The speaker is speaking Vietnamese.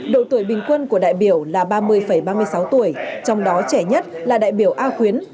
độ tuổi bình quân của đại biểu là ba mươi ba mươi sáu tuổi trong đó trẻ nhất là đại biểu a khuyến